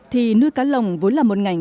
thì nuôi cá lồng vốn là một ngành